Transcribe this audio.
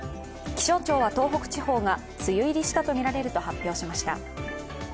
気象庁は東北地方が梅雨入りしたとみられると発表しました。